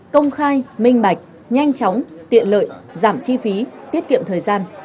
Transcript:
công khai minh bạch nhanh chóng tiện lợi giảm chi phí tiết kiệm thời gian